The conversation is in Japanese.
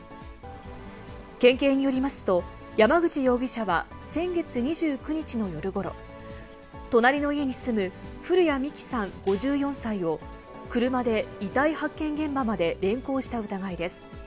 県警によりますと、山口容疑者は先月２９日の夜ごろ、隣の家に住む古屋美紀さん５４歳を車で遺体発見現場まで連行した疑いです。